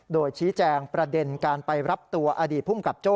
โดยชี้แจงประเด็นการไปรับตัวอดีตภูมิกับโจ้